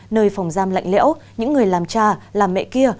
nơi phòng giam lạnh lẽo những người làm cha làm mẹ kia